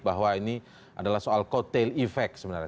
bahwa ini adalah soal co tail effect sebenarnya